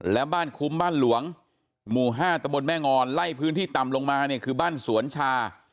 และบ้านคุ้มบ้านหลวงหมู่๕ตะบนแม่งอนไล่พื้นที่ต่ำลงมาเนี่ยคือบ้านสวนชา